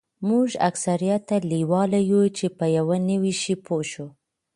موږ اکثریت لیواله یوو چې په یو نوي شي پوه شو